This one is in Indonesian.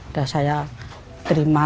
udah saya terima